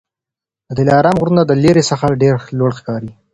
د دلارام غرونه د لیري څخه ډېر لوړ ښکاري